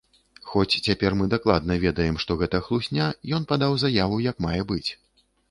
Хоць цяпер мы дакладна ведаем, што гэта хлусня, ён падаў заяву як мае быць.